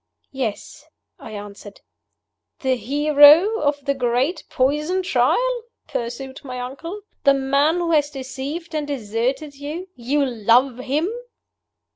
"Yes," I answered. "The hero of the great Poison Trial?" pursued my uncle. "The man who has deceived and deserted you? You love him?"